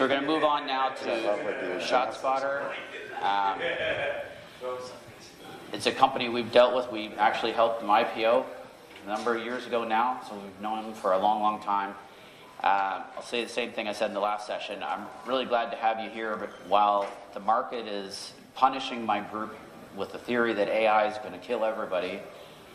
We're gonna move on now to ShotSpotter. It's a company we've dealt with. We actually helped them IPO a number of years ago now, so we've known them for a long, long time. I'll say the same thing I said in the last session. I'm really glad to have you here. While the market is punishing my group with the theory that AI is gonna kill everybody,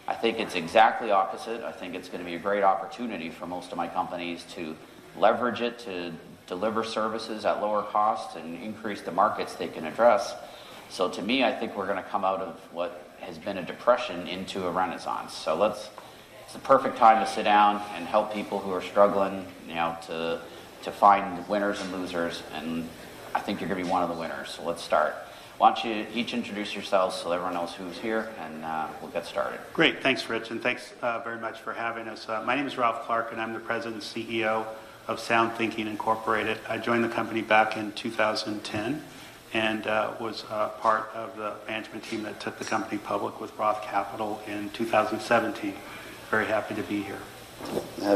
I think it's exactly opposite. I think it's gonna be a great opportunity for most of my companies to leverage it, to deliver services at lower cost and increase the markets they can address. To me, I think we're gonna come out of what has been a depression into a renaissance. It's the perfect time to sit down and help people who are struggling, you know, to find winners and losers, and I think you're gonna be one of the winners. Let's start. Why don't you each introduce yourselves so everyone knows who's here, and we'll get started. Great. Thanks, Rich, and thanks very much for having us. My name is Ralph Clark, and I'm the President and CEO of SoundThinking, Inc. I joined the company back in 2010, and was part of the management team that took the company public with Roth Capital in 2017. Very happy to be here.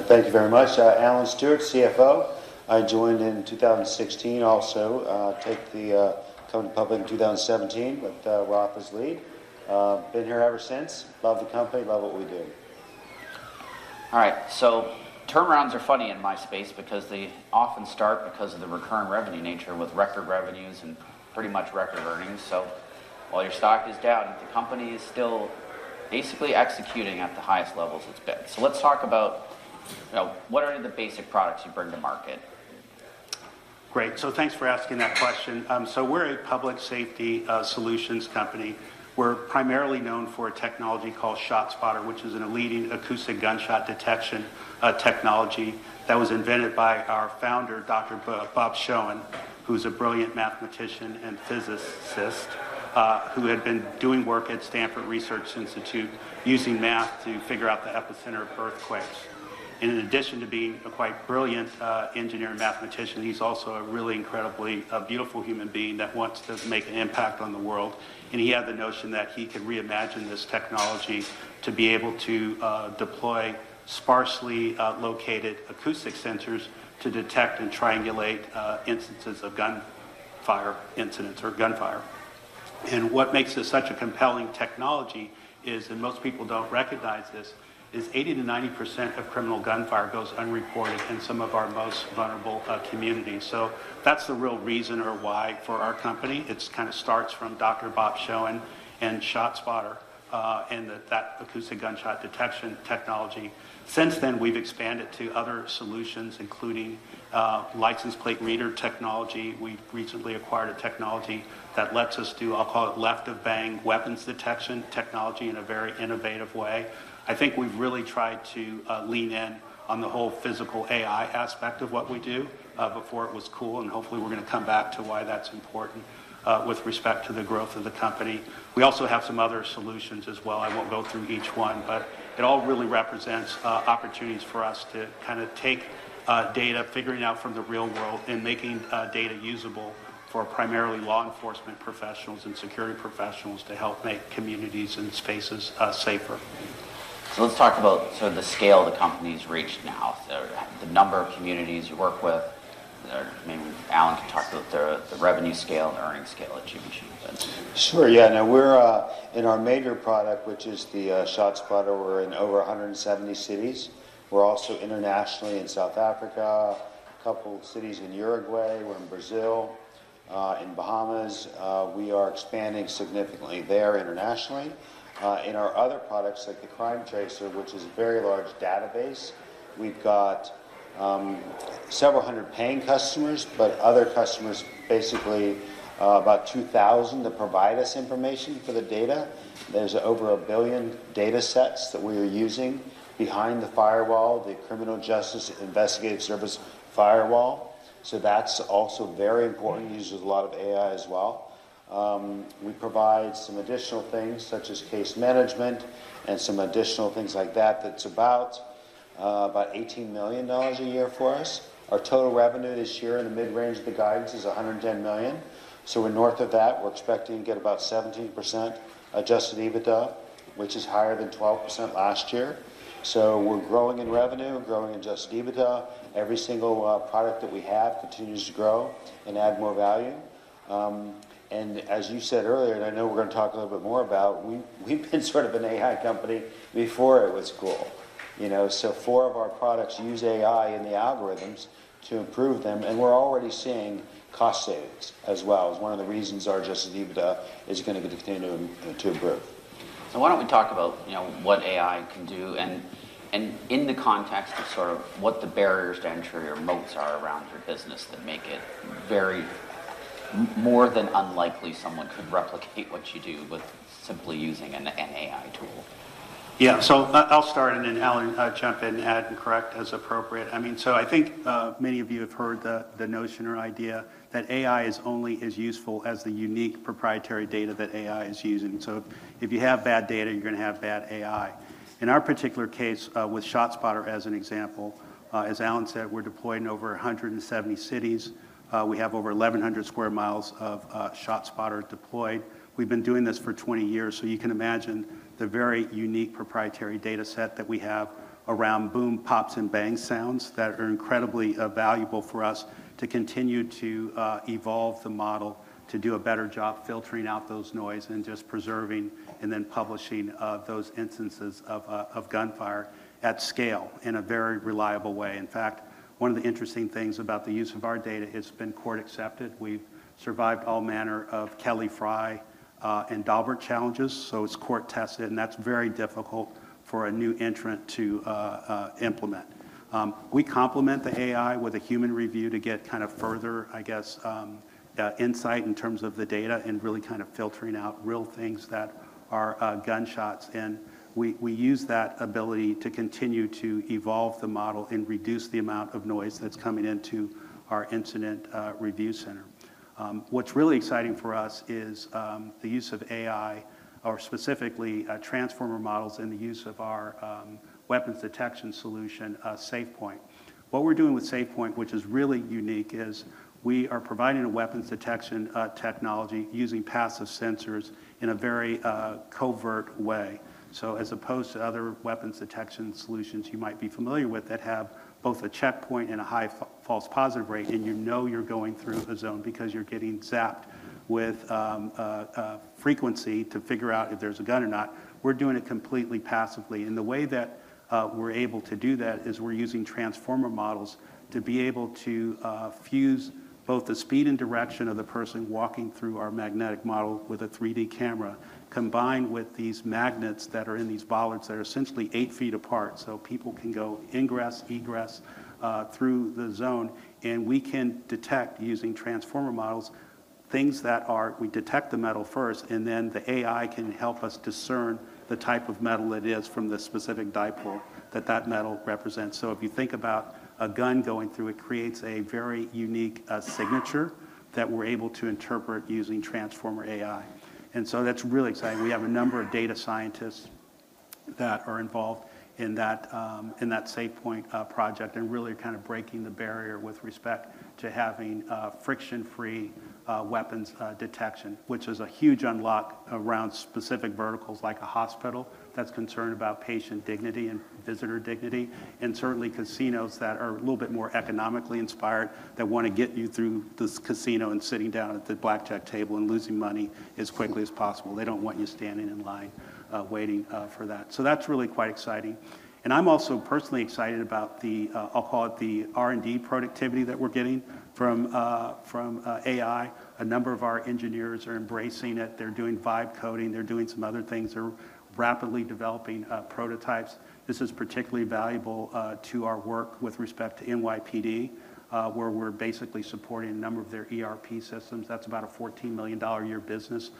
Thank you very much. Alan Stewart, CFO. I joined in 2016 also. Took the company public in 2017 with Roth as lead. Been here ever since. Love the company, love what we do. All right. Turnarounds are funny in my space because they often start because of the recurring revenue nature with record revenues and pretty much record earnings. While your stock is down, the company is still basically executing at the highest levels it's been. Let's talk about, you know, what are the basic products you bring to market? Great. Thanks for asking that question. We're a public safety solutions company. We're primarily known for a technology called ShotSpotter, which is a leading acoustic gunshot detection technology that was invented by our founder, Dr. Bob Showen, who's a brilliant mathematician and physicist who had been doing work at Stanford Research Institute using math to figure out the epicenter of earthquakes. In addition to being a quite brilliant engineer and mathematician, he's also a really incredibly a beautiful human being that wants to make an impact on the world. He had the notion that he could reimagine this technology to be able to deploy sparsely located acoustic sensors to detect and triangulate instances of gunfire incidents or gunfire. What makes this such a compelling technology is, most people don't recognize this, 80%-90% of criminal gunfire goes unreported in some of our most vulnerable communities. That's the real reason or why for our company. It kinda starts from Dr. Robert Showen and ShotSpotter, that acoustic gunshot detection technology. Since then, we've expanded to other solutions, including license plate reader technology. We've recently acquired a technology that lets us do, I'll call it left of bang weapons detection technology in a very innovative way. I think we've really tried to lean in on the whole physical AI aspect of what we do before it was cool. Hopefully, we're gonna come back to why that's important with respect to the growth of the company. We also have some other solutions as well. I won't go through each one, but it all really represents opportunities for us to kinda take data, figuring out from the real world and making data usable for primarily law enforcement professionals and security professionals to help make communities and spaces safer. Let's talk about sort of the scale the company's reached now, the number of communities you work with. Maybe Alan can talk about the revenue scale and earnings scale achievement? Sure. Yeah. No, we're in our major product, which is the ShotSpotter, we're in over 170 cities. We're also internationally in South Africa, a couple of cities in Uruguay. We're in Brazil, in Bahamas. We are expanding significantly there internationally. In our other products like the CrimeTracer, which is a very large database, we've got several hundred paying customers, but other customers, basically, about 2,000 that provide us information for the data. There's over 1 billion datasets that we are using behind the firewall, the Criminal Justice Information Services firewall. So that's also very important. It uses a lot of AI as well. We provide some additional things such as case management and some additional things like that. That's about $18 million a year for us. Our total revenue this year in the mid-range of the guidance is $110 million. We're north of that. We're expecting to get about 17% adjusted EBITDA, which is higher than 12% last year. We're growing in revenue, growing adjusted EBITDA. Every single product that we have continues to grow and add more value. And as you said earlier, and I know we're gonna talk a little bit more about, we've been sort of an AI company before it was cool. You know? Four of our products use AI in the algorithms to improve them, and we're already seeing cost saves as well. It's one of the reasons our adjusted EBITDA is gonna continue to improve. Why don't we talk about, you know, what AI can do and in the context of sort of what the barriers to entry or moats are around your business that make it very more than unlikely someone could replicate what you do with simply using an AI tool? I'll start and then Alan, jump in, add and correct as appropriate. I mean, I think many of you have heard the notion or idea that AI is only as useful as the unique proprietary data that AI is using. If you have bad data, you're gonna have bad AI. In our particular case, with ShotSpotter as an example, as Alan said, we're deployed in over 170 cities. We have over 1,100 sq mi of ShotSpotter deployed. We've been doing this for 20 years, so you can imagine the very unique proprietary data set that we have around boom, pops, and bang sounds that are incredibly valuable for us to continue to evolve the model to do a better job filtering out those noise and just preserving and then publishing those instances of gunfire at scale in a very reliable way. In fact, one of the interesting things about the use of our data, it's been court-accepted. We've survived all manner of Kelly-Frye and Daubert challenges, so it's court-tested, and that's very difficult for a new entrant to implement. We complement the AI with a human review to get kind of further, I guess, insight in terms of the data and really kind of filtering out real things that are gunshots. We use that ability to continue to evolve the model and reduce the amount of noise that's coming into our Incident Review Center. What's really exciting for us is the use of AI or specifically transformer models in the use of our weapons detection solution, SafePointe. What we're doing with SafePointe, which is really unique, is we are providing a weapons detection technology using passive sensors in a very covert way. As opposed to other weapons detection solutions you might be familiar with that have both a checkpoint and a high false positive rate, and you know you're going through a zone because you're getting zapped with frequency to figure out if there's a gun or not. We're doing it completely passively, and the way that we're able to do that is we're using transformer models to be able to fuse both the speed and direction of the person walking through our magnetic model with a 3D camera, combined with these magnets that are in these bollards that are essentially eight feet apart. People can go ingress, egress through the zone, and we can detect using transformer models things that are. We detect the metal first, and then the AI can help us discern the type of metal it is from the specific dipole that that metal represents. If you think about a gun going through, it creates a very unique signature that we're able to interpret using transformer AI. That's really exciting. We have a number of data scientists that are involved in that, in that SafePointe project and really are kind of breaking the barrier with respect to having friction-free weapons detection, which is a huge unlock around specific verticals like a hospital that's concerned about patient dignity and visitor dignity, and certainly casinos that are a little bit more economically inspired that wanna get you through this casino and sitting down at the blackjack table and losing money as quickly as possible. They don't want you standing in line, waiting for that. So that's really quite exciting. I'm also personally excited about the, I'll call it the R&D productivity that we're getting from AI. A number of our engineers are embracing it. They're doing vibe coding. They're doing some other things. They're rapidly developing prototypes. This is particularly valuable to our work with respect to NYPD, where we're basically supporting a number of their ERP systems. That's about a $14 million a year business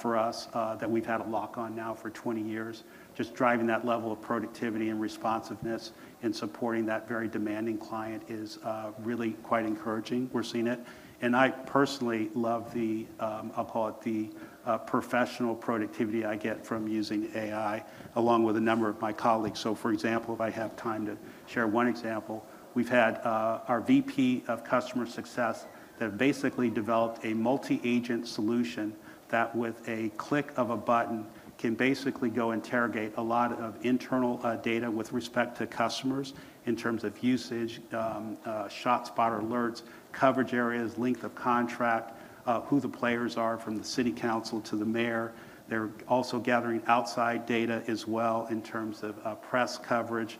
for us that we've had a lock on now for 20 years. Just driving that level of productivity and responsiveness and supporting that very demanding client is really quite encouraging. We're seeing it. I personally love the, I'll call it the, professional productivity I get from using AI, along with a number of my colleagues. For example, if I have time to share one example, we've had our VP of customer success that basically developed a multi-agent solution that with a click of a button can basically go interrogate a lot of internal data with respect to customers in terms of usage, ShotSpotter alerts, coverage areas, length of contract, who the players are from the city council to the mayor. They're also gathering outside data as well in terms of press coverage,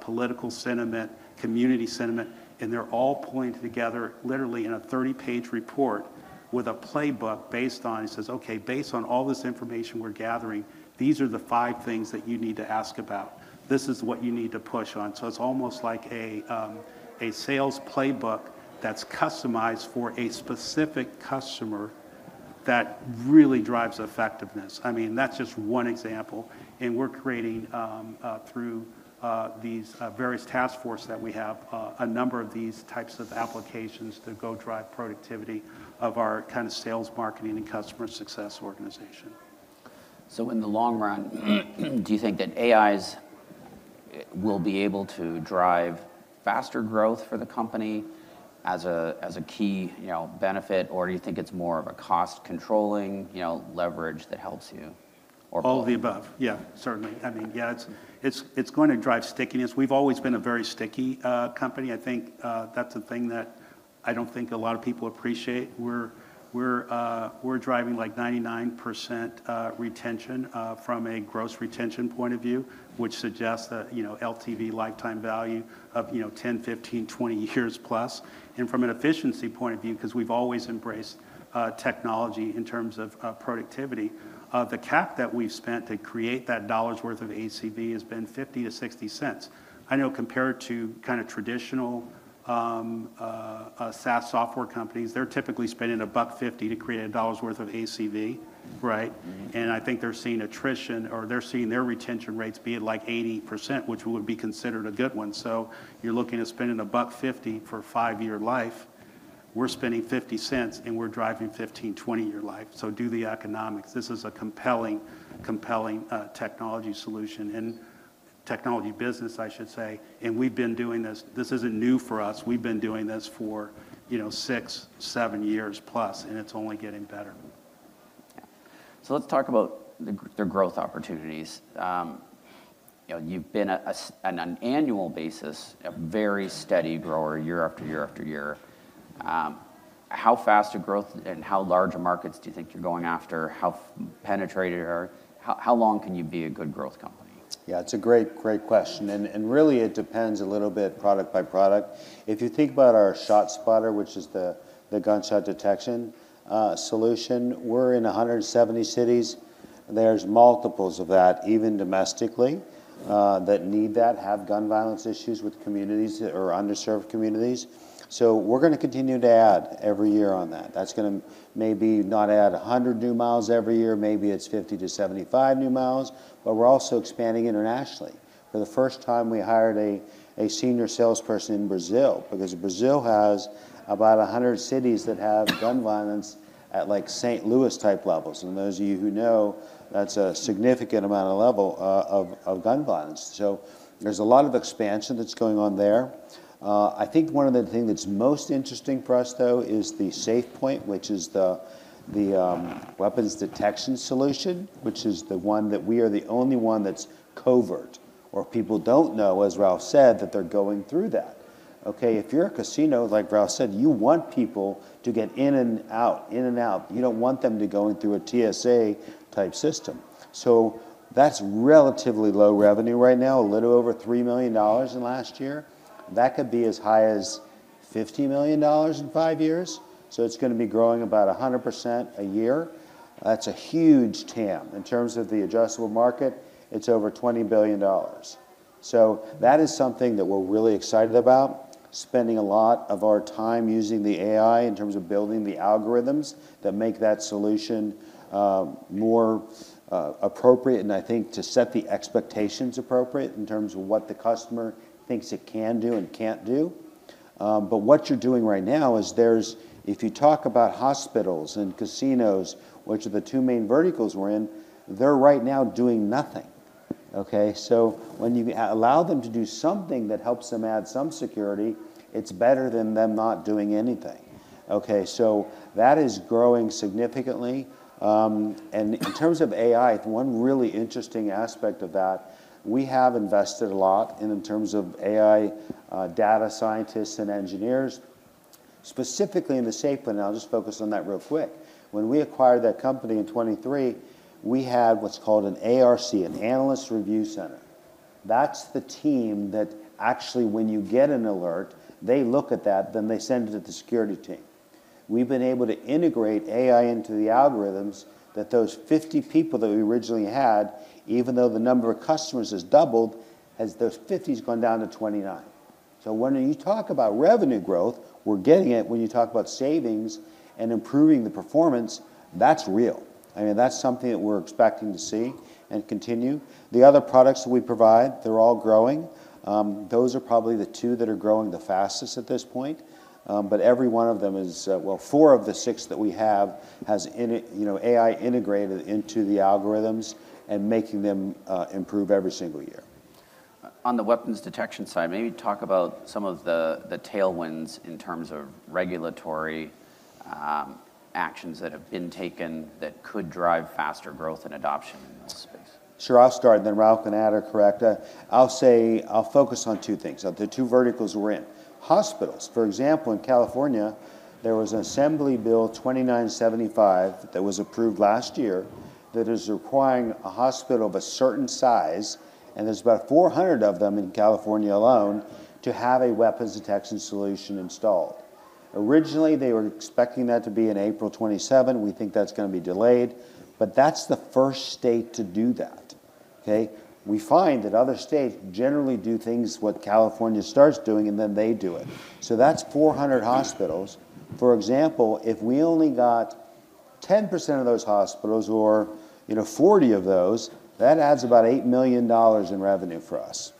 political sentiment, community sentiment, and they're all pulling together literally in a 30-page report with a playbook based on it. It says, "Okay, based on all this information we're gathering, these are the five things that you need to ask about. This is what you need to push on." It's almost like a sales playbook that's customized for a specific customer that really drives effectiveness. I mean, that's just one example. We're creating through these various task force that we have a number of these types of applications to go drive productivity of our kind of sales, marketing, and customer success organization. In the long run, do you think that AIs will be able to drive faster growth for the company as a, as a key, you know, benefit, or do you think it's more of a cost-controlling, you know, leverage that helps you or both? All of the above. Yeah, certainly. I mean, yeah, it's going to drive stickiness. We've always been a very sticky company. I think that's a thing that I don't think a lot of people appreciate. We're driving like 99% retention from a gross retention point of view, which suggests that, you know, LTV, lifetime value of, you know, 10, 15, 20 years+. From an efficiency point of view, 'cause we've always embraced technology in terms of productivity, the cap that we've spent to create that dollar's worth of ACV has been $0.50-$0.60. I know compared to kind of traditional SaaS software companies, they're typically spending $1.50 to create a dollar's worth of ACV. Right? Mm-hmm. I think they're seeing attrition, or they're seeing their retention rates be at, like, 80%, which would be considered a good one. You're looking at spending $1.50 for a five-year life. We're spending $0.50, and we're driving 15-20 year life. Do the economics. This is a compelling technology solution and technology business, I should say, and we've been doing this. This isn't new for us. We've been doing this for, you know, six to seven years+, and it's only getting better. Let's talk about the growth opportunities. You know, you've been, on an annual basis, a very steady grower year after year after year. How fast a growth and how large a markets do you think you're going after? How long can you be a good growth company? Yeah, it's a great question, and really it depends a little bit product by product. If you think about our ShotSpotter, which is the gunshot detection solution, we're in 170 cities. There's multiples of that, even domestically, that need that, have gun violence issues with communities or underserved communities. We're gonna continue to add every year on that. That's gonna maybe not add 100 new miles every year. Maybe it's 50-75 new miles, but we're also expanding internationally. For the first time, we hired a senior salesperson in Brazil because Brazil has about 100 cities that have gun violence at, like, St. Louis type levels, and those of you who know, that's a significant amount of level of gun violence. There's a lot of expansion that's going on there. I think one of the things that's most interesting for us, though, is the SafePointe, which is the weapons detection solution, which is the one that we are the only one that's covert, or people don't know, as Ralph said, that they're going through that, okay. If you're a casino, like Ralph said, you want people to get in and out, in and out. You don't want them to go in through a TSA type system. That's relatively low revenue right now, a little over $3 million in last year. That could be as high as $50 million in five years, it's gonna be growing about 100% a year. That's a huge TAM. In terms of the addressable market, it's over $20 billion. That is something that we're really excited about, spending a lot of our time using the AI in terms of building the algorithms that make that solution more appropriate and I think to set the expectations appropriate in terms of what the customer thinks it can do and can't do. What you're doing right now is if you talk about hospitals and casinos, which are the two main verticals we're in, they're right now doing nothing, okay. When you allow them to do something that helps them add some security, it's better than them not doing anything, okay. That is growing significantly. In terms of AI, one really interesting aspect of that, we have invested a lot in terms of AI data scientists and engineers, specifically in the SafePointe. I'll just focus on that real quick. When we acquired that company in 2023, we had what's called an ARC, an Analyst Review Center. That's the team that actually when you get an alert, they look at that, then they send it to the security team. We've been able to integrate AI into the algorithms that those 50 people that we originally had, even though the number of customers has doubled, has those 50 gone down to 29. When you talk about revenue growth, we're getting it. When you talk about savings and improving the performance, that's real. I mean, that's something that we're expecting to see and continue. The other products that we provide, they're all growing. Those are probably the two that are growing the fastest at this point. Every one of them is, well, four of the six that we have has in... You know, AI integrated into the algorithms and making them improve every single year. On the weapons detection side, maybe talk about some of the tailwinds in terms of regulatory actions that have been taken that could drive faster growth and adoption in that space. Sure. I'll start, and then Ralph can add or correct. I'll focus on two things, the two verticals we're in. Hospitals, for example, in California, there was an Assembly Bill 2975 that was approved last year that is requiring a hospital of a certain size, and there's about 400 of them in California alone, to have a weapons detection solution installed. Originally, they were expecting that to be in April 2027. We think that's gonna be delayed, but that's the first state to do that, okay. We find that other states generally do things what California starts doing, and then they do it. That's 400 hospitals. For example, if we only got 10% of those hospitals or, you know, 40 of those, that adds about $8 million in revenue for us.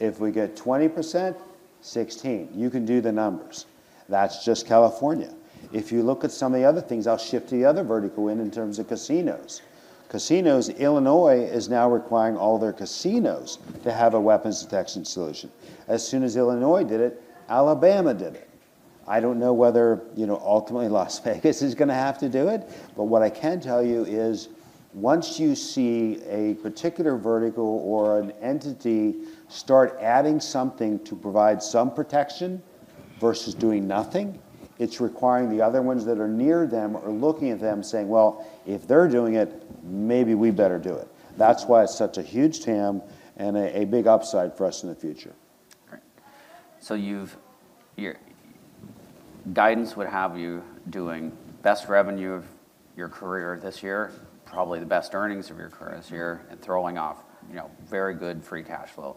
If we get 20%, 16. You can do the numbers. That's just California. If you look at some of the other things, I'll shift to the other vertical in terms of casinos. Casinos, Illinois is now requiring all their casinos to have a weapons detection solution. As soon as Illinois did it, Alabama did it. I don't know whether, you know, ultimately Las Vegas is gonna have to do it, but what I can tell you is once you see a particular vertical or an entity start adding something to provide some protection versus doing nothing, it's requiring the other ones that are near them or looking at them saying, "Well, if they're doing it, maybe we better do it." That's why it's such a huge TAM and a big upside for us in the future. Great. Your guidance would have you doing best revenue of your career this year, probably the best earnings of your career this year, and throwing off, you know, very good free cash flow.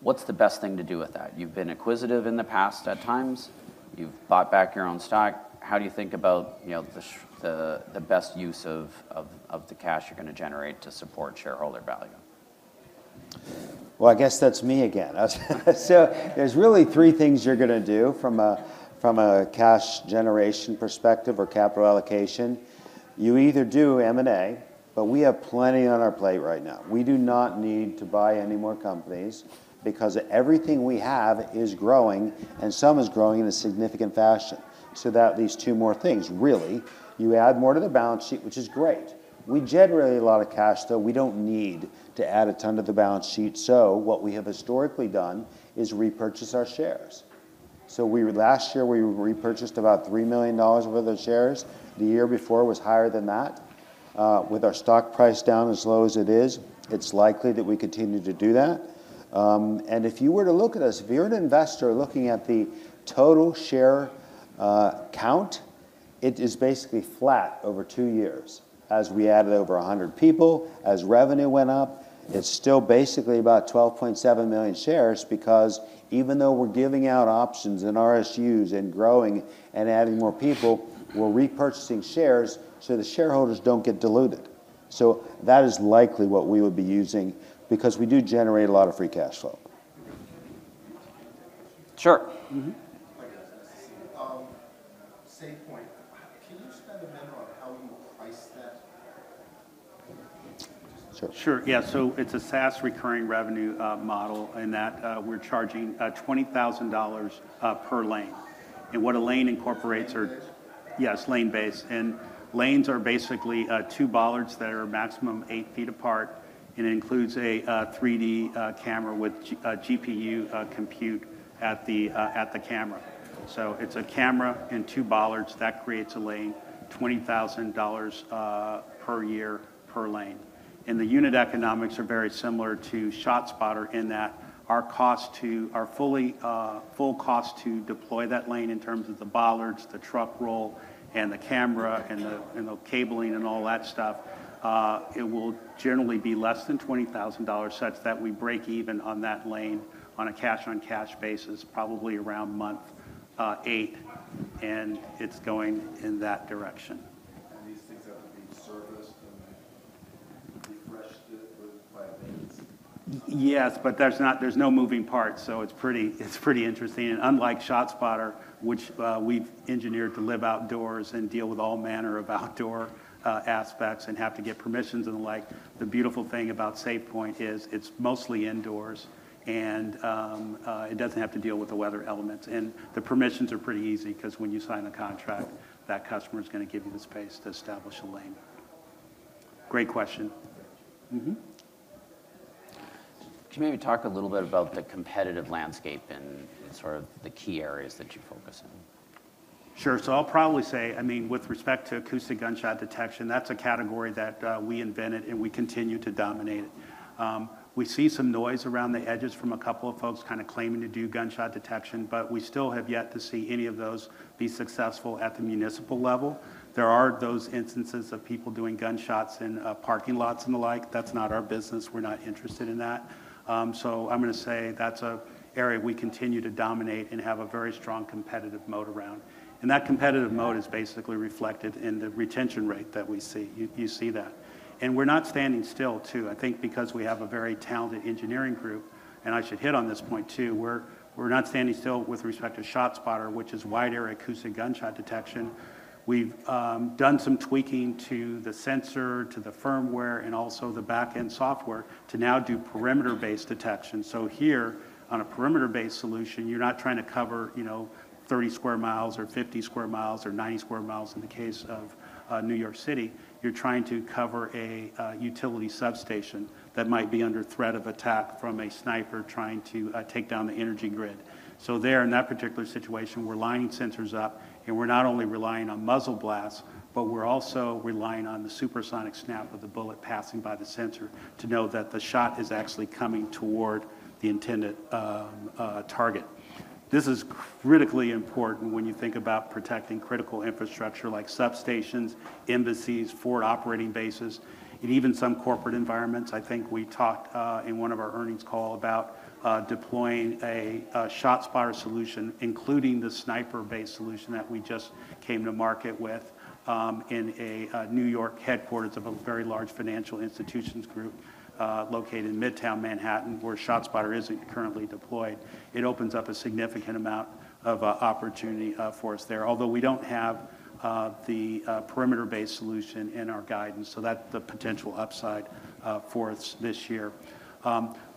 What's the best thing to do with that? You've been acquisitive in the past at times. You've bought back your own stock. How do you think about, you know, the best use of the cash you're gonna generate to support shareholder value? Well, I guess that's me again. There's really three things you're gonna do from a cash generation perspective or capital allocation. You either do M&A, but we have plenty on our plate right now. We do not need to buy any more companies because everything we have is growing, and some is growing in a significant fashion. That leaves two more things, really. You add more to the balance sheet, which is great. We generate a lot of cash, though. We don't need to add a ton to the balance sheet. What we have historically done is repurchase our shares. Last year, we repurchased about $3 million worth of shares. The year before was higher than that. With our stock price down as low as it is, it's likely that we continue to do that. If you were to look at us, if you're an investor looking at the total share count, it is basically flat over two years. As we added over 100 people, as revenue went up, it's still basically about 12.7 million shares because even though we're giving out options and RSUs and growing and adding more people, we're repurchasing shares so the shareholders don't get diluted. That is likely what we would be using because we do generate a lot of free cash flow. Sure. Mm-hmm. Hi, guys. SafePointe, can you expand a bit on how you price that? Sure. Yeah. It's a SaaS recurring revenue model in that we're charging $20,000 per lane. What a lane incorporates are- Lane based? Yes, lane based. Lanes are basically two bollards that are maximum eight feet apart and includes a 3D camera with a GPU compute at the camera. It's a camera and two bollards. That creates a lane. $20,000 per year per lane. The unit economics are very similar to ShotSpotter in that our cost to... Our full cost to deploy that lane in terms of the bollards, the truck roll, and the camera, and the cabling and all that stuff, it will generally be less than $20,000 such that we break even on that lane on a cash-on-cash basis probably around month eight, and it's going in that direction. These things have to be serviced and then refreshed with, by lanes? Yes, there's no moving parts, so it's pretty interesting. Unlike ShotSpotter, which we've engineered to live outdoors and deal with all manner of outdoor aspects and have to get permissions and the like, the beautiful thing about SafePointe is it's mostly indoors and it doesn't have to deal with the weather elements. The permissions are pretty easy 'cause when you sign a contract, that customer's gonna give you the space to establish a lane. Great question. Mm-hmm. Can you maybe talk a little bit about the competitive landscape and sort of the key areas that you focus on? Sure. I'll probably say, I mean, with respect to acoustic gunshot detection, that's a category that we invented and we continue to dominate it. We see some noise around the edges from a couple of folks kinda claiming to do gunshot detection, but we still have yet to see any of those be successful at the municipal level. There are those instances of people doing gunshots in parking lots and the like. That's not our business. We're not interested in that. I'm gonna say that's an area we continue to dominate and have a very strong competitive moat around. That competitive moat is basically reflected in the retention rate that we see. You see that. We're not standing still too, I think because we have a very talented engineering group. I should hit on this point too. We're not standing still with respect to ShotSpotter, which is wide-area acoustic gunshot detection. We've done some tweaking to the sensor, to the firmware, and also the back-end software to now do perimeter-based detection. Here, on a perimeter-based solution, you're not trying to cover, you know, 30 sq mi or 50 sq mi or 90 sq mi in the case of New York City. You're trying to cover a utility substation that might be under threat of attack from a sniper trying to take down the energy grid. There, in that particular situation, we're lining sensors up, and we're not only relying on muzzle blasts, but we're also relying on the supersonic snap of the bullet passing by the sensor to know that the shot is actually coming toward the intended target. This is critically important when you think about protecting critical infrastructure like substations, embassies, forward operating bases, and even some corporate environments. I think we talked in one of our earnings call about deploying a ShotSpotter solution, including the sniper-based solution that we just came to market with, in a New York headquarters of a very large financial institutions group, located in Midtown Manhattan, where ShotSpotter isn't currently deployed. It opens up a significant amount of opportunity for us there. Although we don't have the perimeter-based solution in our guidance, so that's the potential upside for us this year.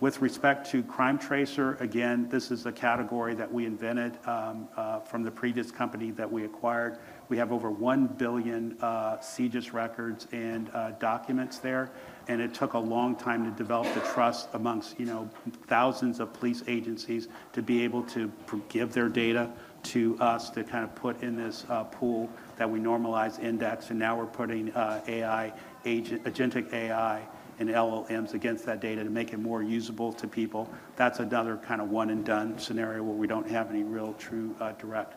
With respect to CrimeTracer, again, this is a category that we invented from the previous company that we acquired. We have over 1 billion CJIS records and documents there, and it took a long time to develop the trust among, you know, thousands of police agencies to be able to give their data to us to kind of put in this pool that we normalize, index, and now we're putting AI, agentic AI and LLMs against that data to make it more usable to people. That's another kinda one and done scenario where we don't have any real true direct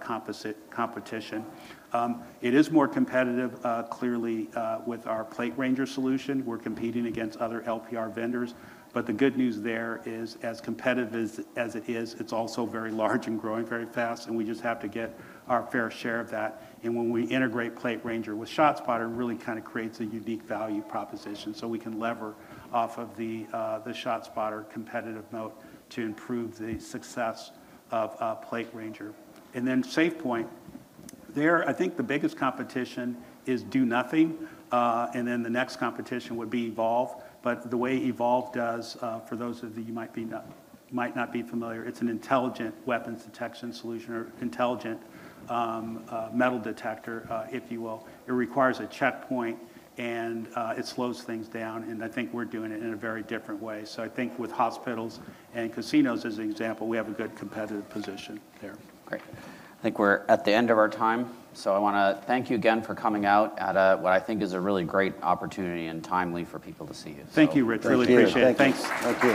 composite competition. It is more competitive clearly with our PlateRanger solution. We're competing against other LPR vendors. The good news there is, as competitive as it is, it's also very large and growing very fast, and we just have to get our fair share of that. When we integrate PlateRanger with ShotSpotter, it really kinda creates a unique value proposition, so we can leverage off of the ShotSpotter competitive moat to improve the success of PlateRanger. Then SafePointe, there, I think the biggest competition is do nothing, and then the next competition would be Evolv. The way Evolv does, for those of you who might not be familiar, it's an intelligent weapons detection solution or intelligent metal detector, if you will. It requires a checkpoint, and it slows things down, and I think we're doing it in a very different way. I think with hospitals and casinos as an example, we have a good competitive position there. Great. I think we're at the end of our time. I wanna thank you again for coming out at a, what I think is a really great opportunity and timely for people to see you. Thank you, Rich. I really appreciate it. Thanks. Thank you.